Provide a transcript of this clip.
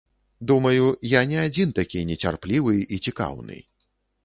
Думаю, я не адзін такі нецярплівы і цікаўны.